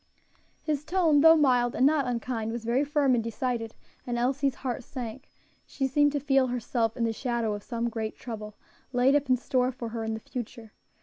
His tone, though mild, and not unkind, was very firm and decided, and Elsie's heart sank; she seemed to feel herself in the shadow of some great trouble laid up in store for her in the future.